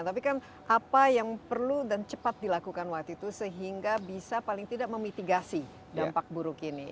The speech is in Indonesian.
tapi kan apa yang perlu dan cepat dilakukan waktu itu sehingga bisa paling tidak memitigasi dampak buruk ini